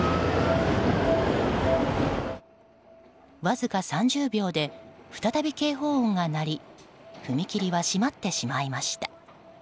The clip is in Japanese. わずか３０秒で再び警報音が鳴り踏切は閉まってしまいました。